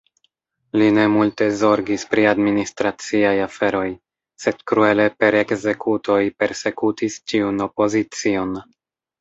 Li ne multe zorgis pri administraciaj aferoj, sed kruele per ekzekutoj persekutis ĉiun opozicion.